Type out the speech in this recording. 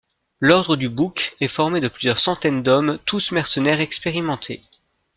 L'ordre du Bouc est formé de plusieurs centaines d'hommes tous mercenaire expérimenté.